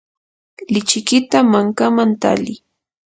lichikita mankaman tali.